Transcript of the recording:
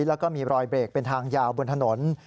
แล้วก็มีรอยเบรกเป็นทางยาวบนถนน